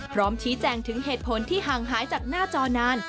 พร้อมชี้แจงถึงเหตุผลที่ห่างหายจากหน้าจอนาน